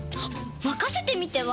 まかせてみては？